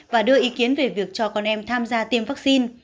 và đưa ý kiến về việc cho con em tham gia tiêm vaccine